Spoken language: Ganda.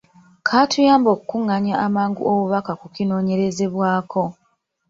Kaatuyamba okukungaanya amangu obubaka ku kinoonyerezebwako.